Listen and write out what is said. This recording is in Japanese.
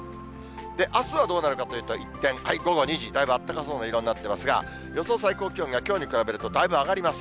あすはどうなるかというと、一転、午後２時、だいぶあったかそうな色になっていますが、予想最高気温がきょうに比べるとだいぶ上がります。